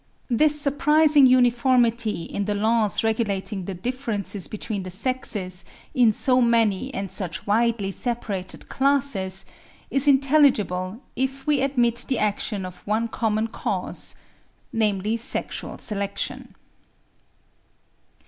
This surprising uniformity in the laws regulating the differences between the sexes in so many and such widely separated classes, is intelligible if we admit the action of one common cause, namely sexual selection.